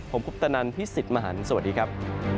ผมคุปตะนันพี่สิทธิ์มหันฯสวัสดีครับ